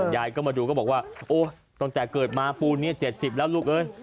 ยายก็มาดูก็บอกว่าโอ๊ยตั้งแต่เกิดมาปูนี้๗๐แล้วลูกเอ้ย